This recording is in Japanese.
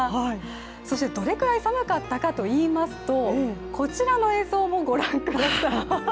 そしてどれくらい寒かったかといいますとこちらの映像もご覧ください。